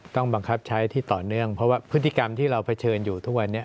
บังคับใช้ที่ต่อเนื่องเพราะว่าพฤติกรรมที่เราเผชิญอยู่ทุกวันนี้